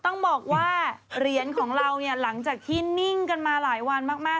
ต้องบอกว่าเหรียญของเราเนี่ยหลังจากที่นิ่งกันมาหลายวันมาก